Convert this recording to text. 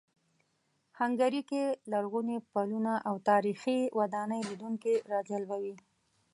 هنګري کې لرغوني پلونه او تاریخي ودانۍ لیدونکي راجلبوي.